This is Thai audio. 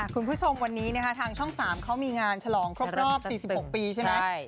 คุณผู้ชมวันนี้นะคะทางช่อง๓เขามีงานฉลองครบรอบ๔๖ปีใช่ไหม